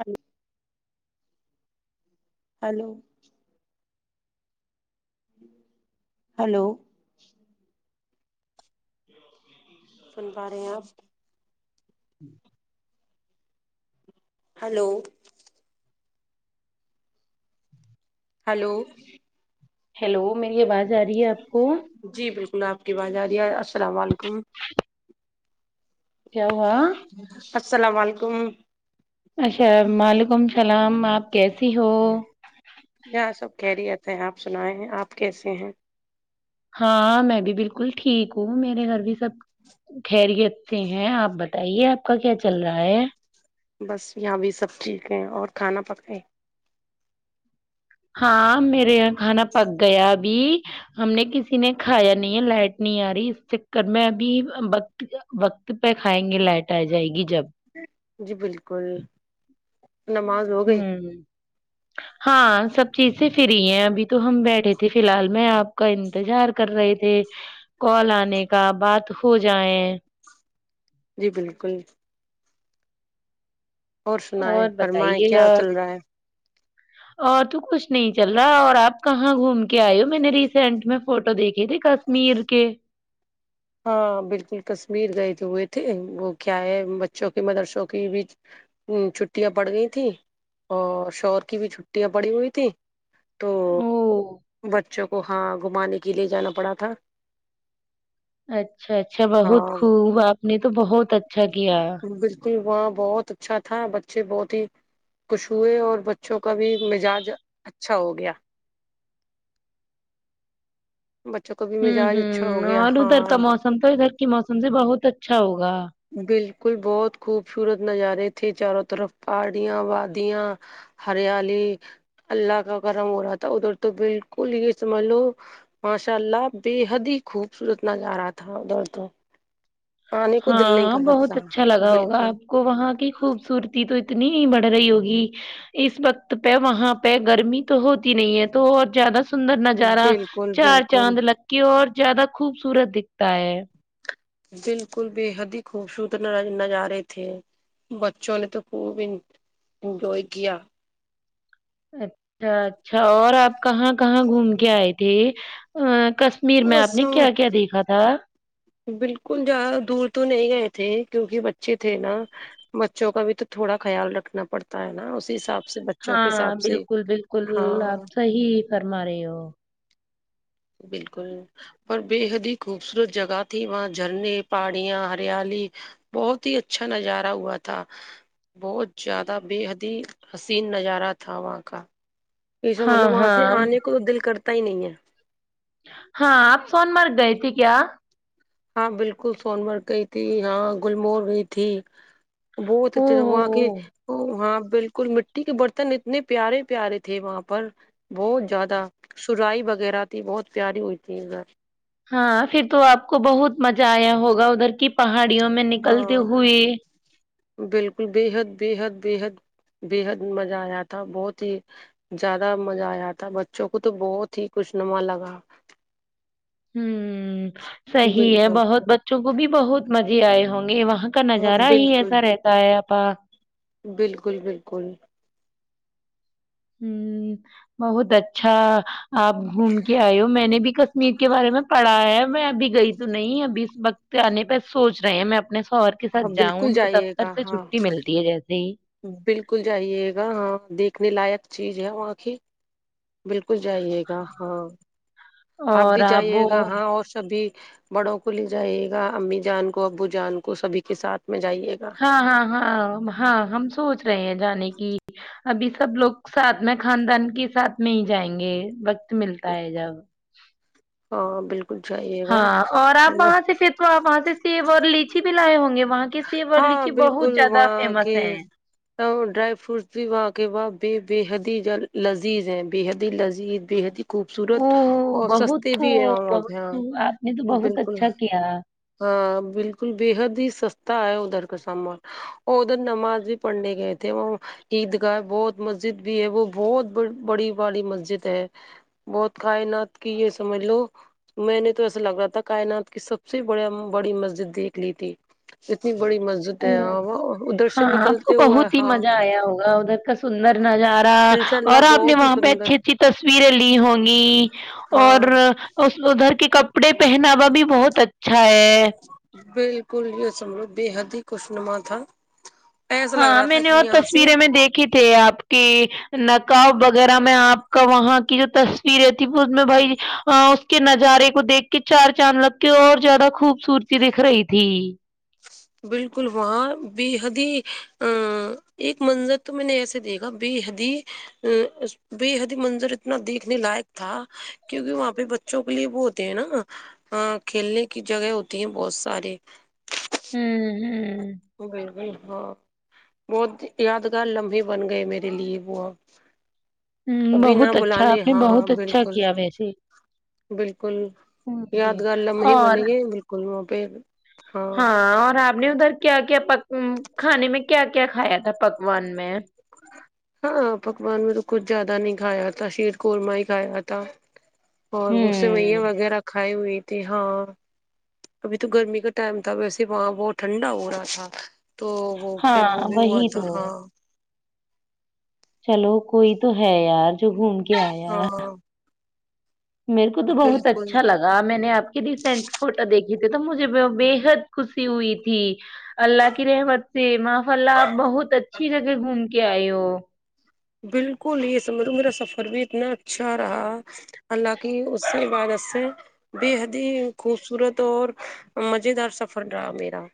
hello hello hello سن پا رہے ہیں آپ جی ہلو ہلو ہیلو میری آواز آ رہی ہے آپ کو گلا آپ کی باز آ دیا السلام علیکم کیا ہوا السلام علیکم اچھا معلیکم السلام آپ کیسی ہو سنا ہے آپ کیسے ہیں ہاں میں بھی بالکل ٹھیک ہوں میرے گھر بھی سب خیریت سے ہیں آپ بتائیے آپ کا کیا چل رہا ہے بس یہاں بھی سب ٹھیک ہیں اور کھانا پکائے ہاں میرے یہاں کھانا پک گیا ابھی ہم نے کسی نے کھایا نہیں ہے لائٹ نہیں آ رہی اس چکر میں ابھی وقت وقت پہ کھائیں گے لائٹ آ جائے گی جب جی بالکل نماز ہو گئی ہوں ہاں سب چیزیں فری ہیں ابھی تو ہم بیٹھے تھے فی الحال میں آپ کا انتظار کر رہے تھے کال آنے کا بات ہو جائے جی بالکل اور سن ہے فرمائائے بتائیے کیا گا چل رہا ہے اور تو کچھ نہیں چل رہا اور آپ کہاں گھوم کے آئے ہو میں نے ریسینٹ میں فوٹو دیکھے تھے کشمیر کے ہاں بالکل کشمیر گئے ہوئے تھے وہ کیا ہے بچوں کی مدرسوں کی بھی چھٹیاں پڑ گئی تھیں اور شور کی بھی چھٹیاں پڑی ہوئی تھھی تو او بچوں کو ہاں گھمانے کے لیے جانا پڑا تھا اچھا اچھا بہت ہاں خوب آپ نے تو بہت اچھا کیا بالکل وہاں بہت اچھا تھا بچے بہت ہی خوش ہوئے اور بچوں کا بھی مزاج اچھا ہو گیا بچوں کا بھی ہوں مزاج اچھا ہوں ہو گیا اور ادھر کا ہاں موسم تو ادھر کی موسم سے بہت اچھا ہوگا بالکل بہت خوبصورت نظارے تھے چاروں طرف پہاڑیاں وادیاں ہریالی اللہ کا کرم ہو رہا تھا ادھر تو بالکل یہ سمجھ لو ماشاء اللہ بے حد ہی خوبصورت نظارہ تھا دڑ تو آنے کو دل نہیں ہاں کر سکتا بہت اچھا لگا ہوگا بالکل آپ کو وہاں کی خوبصورتی تو اتنی بڑھ رہی ہوگی اس وقت پہ وہاں پہ گرمی تو ہوتی نہیں ہے تو اور زیادہ سندر نظارہ بالکل چار بالکل چاند لکی اور زیادہ خوبصورت دکھتا ہے بالکل بے حد ہی خوبصورت نظارے تھے بچوں نے تو خوب انجوائے کیا اچھا اچھا اور آپ کہاں کہاں گھوم کے آئے تھے ج ا کشمیر میں آپ بس نے کیا کیا دیکھا تھا بالکل جد دور تو نہیں گئے تھے کیونکہ بچے تھے نا بچوں کا بھی تو تھوڑا خیال رکھنا پڑتا ہے نا اسی حساب سے بچوں کے ہاں حساب سے بالکل بالکل آپ ہاں صحیح فرما رہے ہو بالکل اور بے حد ہی خوبصورت جگہ تھی وہاں جھرنے پہاڑیاں ہریالی بہت ہی اچھا نظارہ ہوا تھا بہت زیادہ بے حد ہی حسین نظارہ تھا وہاں کا پیسا ہاں مطلب وہاں سے ہاں آنے کو تو دل کرتا ت ہی نہیں ہے ہاں آپ سون مارگ گئے تھے کیا ہاں بالکل سون مرگ گئی تھی ہاں گللمور گئی تھی بہت ا او وہاں کے ہو وہ وہاں بالکل مٹی کے برتن اتنے پیارے پیارے تھے وہاں پر بہت زیادہ سرائی وغیرہ تھی بہت پیاری ہوئی تھی اھر ہاں پھر تو آپ کو بہت مزہ آیا ہوگا ادھر کی پہاڑی گڑیوں میں نکلتے ہاں ہوئے بالکل بےحد بےحد بےحد بےحد مزہ آیا تھا بہت ہی زیادہ مزہ آیا تھا بچوں کو تو بہت ہی خوشنما لگا ہ صحی ہے بالکل بہت بچوں کو بھی بہت مزے آئے ہوں گے وہاں یہاں کا ہاں نظارہ ہی بالکل ایسا رہتا ہے اب پاک بالکل بالکل ہوں بہت اچھا آپ گھوم کے آئے ہو میں نے بھی کشمیر کے بارے میں پڑھا ہے میں ابھی گئی تو نہیں ابھی اس وقت تان نہیں بس سوچ رہے ہیں میں اپ سو اور کے ہاں ساتھ جاؤں بالکل ان کو جائیے دفتر گا سے ہاں چھٹی ملتی ہے جیسے ہی بالکل جائیے گا ہاں دیکھنے لائق چیز ہے وہاں کی بالکل کو جائیے گا ہاں آپ اور بھی جائیے وہ گا ہاں اور سب سبھی بڑوں کو لے جائے گا امی جان کو ابو جان کو سبھی کے ساتھ میں جائیے گا ہاں ہاں ہاں ہاں ہم سوچ رہے ہیں جانے کی ابھی سب لوگ ساتھ میں خاندان کے ساتھ میں ہی جائیں گے وقت ملتا ہے جب ہاں بالکل جائیے گا ہاں اور آپ وہاں سے پھر تو ہو آپ وہاں سے سیب اور لیچی بھی لائے ہوں گے وہاں کے سیور ہاں لیچی بہت بالکل زیادہ وہاں فیمس کے ہے ڈرائی فروٹس بھی وا کے واہ بے بے حد ہی لذیذ ہے بے حد ہی لذیذ بے حد ہی او خوبصورت اور بہت سستے بھی ہیں خوب وہاں پہ بہت ہاں خوب آپ نے تو بہت بالکل اچھا کیا ہاں بالکل بے حد ہی سستا ہے ادھر کا سامان اور ادھر نماز بھی پڑھنے گئے تھے وہ عید کااہ ہے بہھ مسجد بھی ہے وہ بہت بڑی بڑی مسجد ہے بہت کائنات کی یہ سمجھ لو میں نے تو ایسا لگ رہا تھا کائنات کی س سب سے بڑیا بڑی مسجد دیکھ لی تھی اتنی بڑی مسجد او ہے ہاں ادھر سے ہاں آپ کو نکلتے ہوا بہت ہی ہاں مزہ آیا ہوگا ادھر کا سندر نظارہ انشاء اور اللہ آپ نے بہت ہی وہاں پہ سندر اچھی اچھی تصویریں لی ہوں گی اور ہاں ادھر کے ک کپڑے پہناوا بھی بہت اچھا بالکل یہ سمرھ بے حد ہی خوش نما تھا ایسا لگ ہاں رہا میں تھا نے کہ اور یہاں سے تصویریں میں دیکھی تھے آپ کی نکااب وغیرہ میں آپ کا وہاں کی جو تصویریں تھی میں بھائی اس کے نظارے کو دیکھ کے چار چاند لگ کے اور زیادہ خوبصورتی دکھ رہی تھی بالکل وہاں بے حدی ا ایک منظر تو میں نے ایسے دیکھا بے حدی ا بے حدی منظر اتنا دیکھنے لائق تھا کیونکہ وہاں پہ بچوں کے لیے وہ ہوتے ہیں نا کھیلنے کی جگہ ہوتی ہیں بہت سارے ہوں ہوں گ گل گل ہاں [unintelligible] بہت یادگار لمحے بن گئے میرے لیے وہ اب ہوں ابھی نہ بہت اچھا بلانے آپ نے ہاں ہاں بہت اچھا بالکل کیا ویسے بالکل اوکے یادگار لمحے اور بنے گے بالکل وہ پل [inaudible] ہاں اور آپ نے ادھر کیا کیا پ کھانے میں کیا کیا کھایا تھا پکوان میں ہاں پکوان میں تو کچھ زیادہ نہیں کھایا تھا شیر قورمہ ہی کھایا تھا اور وہ میں ہوں وغیرہ کھ کھائی ہوئی تھی ہاں ابھی تو گرمی کا ٹائم تھا ویسے وہاں بہت ٹھنڈا ہو رہا تھا تو وہ پھر وہ ہاں بھی ہوا وہی تھا تو ہاں چلو کوئی تو ہے یار جو گھوم کے آیا ہاں میرے کو تو بہت بالکل اچھا لگا میں نے آپ کے ریسینٹ فوٹو دیکھھی یہ تھے تو مجھے بےحد خوشی ہوئی تھی اللہ کی رحمت سے ماںف اللہ آپ بہت اچھی جگہ گھومتے کیا آو بالکل یہ سمجھ لو میرا سفر بھی اتنا اچھا رہا حالانکہ اسی بد سے بے حد ہی خوبصورت اور مز دار سفر رہا میرا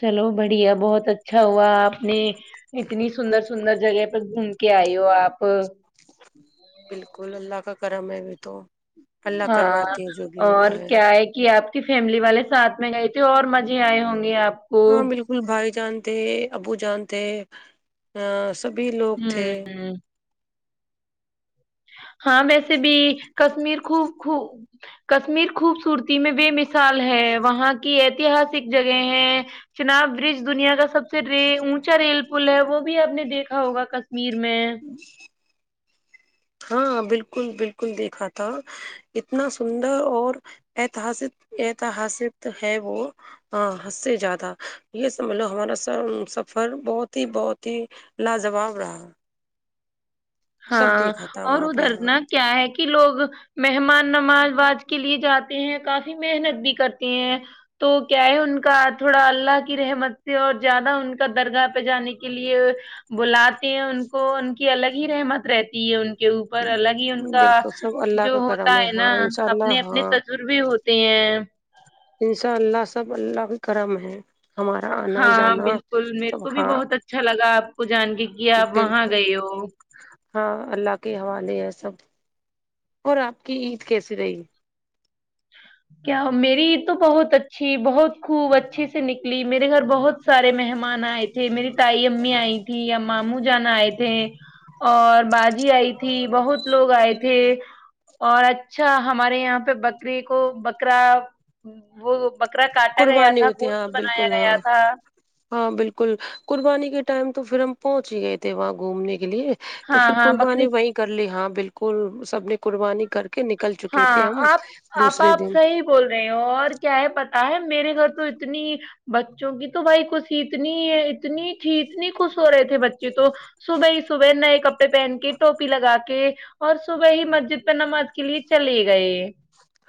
چلو بڑھیا بہت اچھا ہوا آپ نے اتنی سندر سندر جگہ پہ گھوم کے آئی ہو آپ بالکل اللہ کا کرم ہے بھی تو اللہ ہاں کرواتے ہیں جو بھی اور ہوتا کیا ہے کہ آپ فیملی والے ساتھ میں گئے تھے اور مزے آئے ہوں گے آپ کو ہاں بالکل بھائی جانتے ابو جانتے ا سبھی لوگ تھے ہوں ہاں ویسے بھی کشمیر خوب خو کشمیر خوبصورتی میں بے مثال ہے وہاں کی ایتہاسک جگہ ہے چناب برج دنیا کا سب سے ر اونچا ریل پل ہے وہ بھی آپ نے دیکھا ہوگا کشمیر میں ہاں بالکل بالکل دیکھا تھا اتنا سندر اور اتاسک اتہاسک ہے وہ ہاں ہس سے زیادہ یہ سب ملو ہمارا س سفر بہت ہی بہت ہی لاجواب رہا سب ہاں دیکھا تھا اور وہاں پہ ہاں ادھرنا کیا ہے کہ لوگ مہمان نماز واز کے لیے جاتے ہیں کافی محنت بھی کرتے ہیں تو کیا ہے ان کا تھوڑا اللہ کی رحمت سے اور زیادہ ان کا درگاہ پہ جانے کے لیے بلا ہیں ان کو ان کی الگ رحمت رہتی ہے ان کی کے اوپر الگ ہی ان کا بالکل سب اللہ جو کا کرم ہوتا ہے ہاں نا انشاء اپنے اللہ اپنے تجربے ہوتے ہیں ان شاء اللہ سب اللہ بھی کرم ہے ہمارا آنا ہاں جانا بالکل میرے سب کو بھی ہاں بہت اچھا لگا آپ کو جان کے کہ آپ وہاں بالکل گئے ہو ہاں اللہ کے حوالے ہے سب اور آپ کی عید کیسی رہی کیا میری عید تو بہت اچھی بہت خوب اچھیے سے نکلی میرے گھر بہت سارے مہمان آئے تھے میری تائی امی آئی تھی ا ماموں جانا آئے تھے اور باجی آئی تھی بہت لوگ آئے تھے اور اچھا ہمارے یہاں پہ بکری کو بکرا وہ بکرا کاٹا گیا قربانی تھا ہوتی ہے ہاں گوشت بنایا بالکل ہاں گیا تھا ہاں بالکل قربانی کے ٹائم تو پھر ہم پہن ہی گئے تھے وہاں گھومنے کے لیے تو ہاں پھر ہاں بکری قربانی نے وہیں کر لی ہاں بالکل سب نے قربانی کر [unintelligible] چکے ہاں تھے ہم آپ آپ دوسرے آپ دن صحی بول رہے ہو اور کیا ہے پتا آ میرے گھر تو اتنی بچوں کی تو بھائی خوشی اتنی اتنی تھی اتنی خوش ہو رہے تھے بچے تو صبح ہی صبح نئے ک [unintelligible] کپڑے پہن کے ٹوپی لگا کے اور صبح ہی مسجد پہ نماز کے لیے چلی گئی [unintelligible]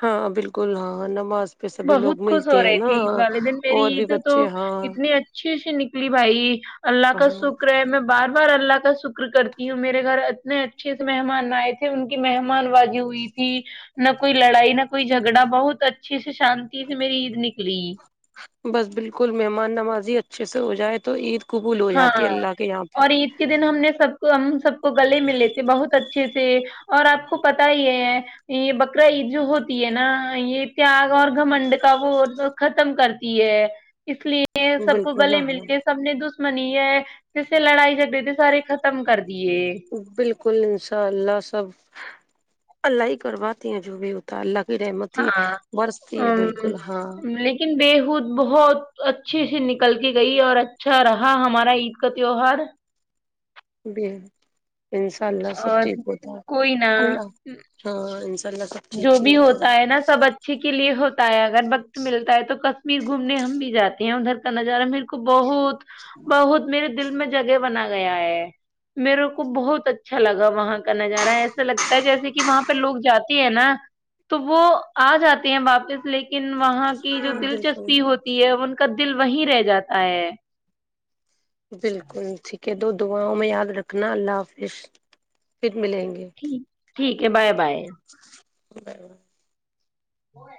ہاں بالکل ہاں ہ نماز پہ سبھی بہت لوگ خوش ہو ملتے ہیں رہے نا تھھی عید والے دن میری اور بھی عید تو بچے ہاں اتنی اچھی سے ن لی بھائی [unintelligible] اللہ کا ہاں شکر ہے میں بار [unintelligible] بار اللہ کا شکر کرتی ہوں میرے گھر اتنے اچھے سے مہمان آئے تھے ان کی مہمان بازی ہوئی تھی نہ کوئی لڑائی نہ کوئی جھگڑا بہت اچھے سے [unintelligible] شانتی سے میری عید نکلی بس بالکل مہمان نمازی اچھے سے ہو جائے تو عید قبول ہو ہاں جاتی ہے اللہ کے یہاں اور عید کے دن ہم نے سب کو ہم سب کو گلے میں لیےتے بہت اچھے سے اور آپ کو پت ہی ہے یہ بکرا عید جو ہوتی ہے نا یہ تیاگ اور گھمنڈ کا وہ ختم کرتی ہے اس لیے پہ سب کو بالکل گلے مل ہاں کے سب نے دوسر منی ہے جسے لڑائی جھڑے ت سارے ختم کرتے [unintelligible] بالکل انشاء اللہ سب اللہ ہی کرواتے ہیں جو بھی ہوتا ہے اللہ پ ر م ہاں برستی ہے بالکل ہاں [unintelligible] خود بہت اچھے سے نکل کے گئی اور اچھا رہا ہمارا عید کا تیوہار [unintelligible] بھی [unintelligible] انشاء اللہ سب اور ٹھیک ہوتا ہے کوئی نہ اللہ ہاں [unintelligible] جو بھی ہوتا ہے نا سب اچھے کے لیے ہوتا ہے اگر وقت ملتا ہے تو ک میر گھومنے ہم بھی جاتے ہیں ادھر کا نظارہ میرے کو بہت [unintelligible] بہت میرے [unintelligible] دل میں جگہ بنا گیا ہے میرے کو بہت اچھا لگا وہاں کا نظارہ ایسا لگتا ہے جیسے کہ وہاں پہ لوگ جاتے [unintelligible] نا تو وہ آ جاتے ہیں واپس لے کے [unintelligible] وہاں کی جو ہاں بالکل دلچسپی ہوتی ہے ان کا [unintelligible] دل وہیں رہ جاتا ہے [unintelligible] بالکل ٹھیک [unintelligible] کہ دو دعاؤں میں یاد رکھنا اللہ حافظ ملیں گے ٹھیک [unintelligible] ٹھیک ہے بائے بائے [unintelligible] ج [unintelligible] بر بر [unintelligible] وہ [unintelligible]